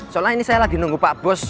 seolah ini saya lagi nunggu pak bos